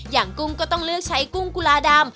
กุ้งก็ต้องเลือกใช้กุ้งกุลาดำ